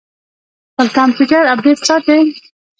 خپل کمپیوټر اپډیټ ساتئ؟